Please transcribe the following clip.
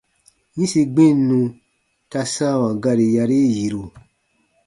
-yĩsi gbinnu ta sãawa gari yarii yiru.